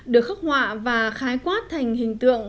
được khắc họa và khái quát thành hình tượng